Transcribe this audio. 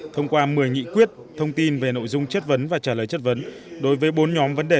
thông qua một mươi nghị quyết thông tin về nội dung chất vấn và trả lời chất vấn đối với bốn nhóm vấn đề